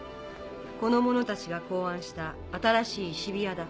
この者たちが考案した新しい石火矢だ。